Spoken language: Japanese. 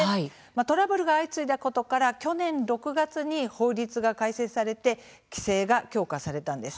トラブルが相次いだことから去年６月に法律が改正されて規制が強化されたんです。